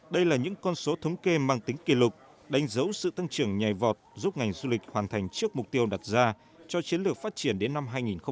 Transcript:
đây là những con số thống kê mang tính kỷ lục đánh dấu sự tăng trưởng nhòi vọt giúp ngành du lịch hoàn thành trước mục tiêu đặt ra cho chiến lược phát triển đến năm hai nghìn ba mươi